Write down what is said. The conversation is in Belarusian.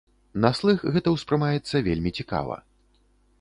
На слых гэта ўспрымаецца вельмі цікава.